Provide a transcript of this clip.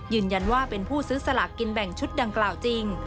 ยืนยันว่าเป็นผู้ซื้อสลากกินแบ่งชุดดังกล่าวจริง